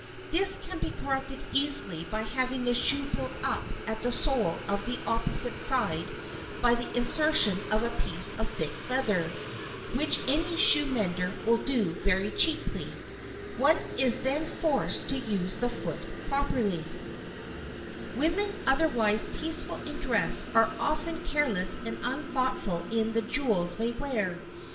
This can be corrected easily by having the shoe built up at the sole on the opposite side by the insertion of a piece of thick leather, which any shoe mender will do very cheaply. One is then forced to use the foot properly. [Sidenote: CHOICE IN JEWELS] Women otherwise tasteful in dress are often careless and unthoughtful in the jewels they wear.